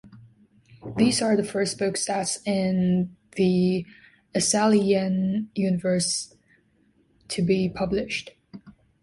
These are the first books set in the Essalieyan universe to be published.